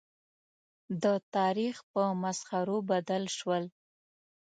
د تاریخ په مسخرو بدل شول.